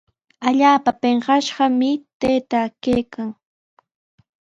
Allaapa piñashqami taytaa kaykan.